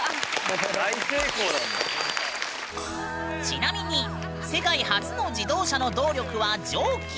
ちなみに世界初の自動車の動力は蒸気！